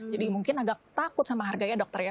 jadi mungkin agak takut sama harganya dokter ya